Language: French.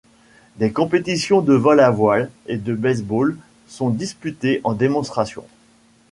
Des compétitions de vol à voile et de baseball sont disputées en démonstration.